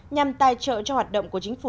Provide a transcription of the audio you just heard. nhằm tài trợ cho hoạt động của chính phủ